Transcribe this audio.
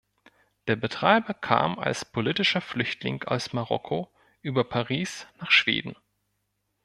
Der Betreiber kam als politischer Flüchtling aus Marokko über Paris nach Schweden.